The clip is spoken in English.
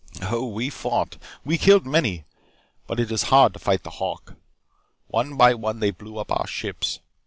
"Oh, we fought. We killed many. But it is hard to fight the hawk. One by one they blew up our ships.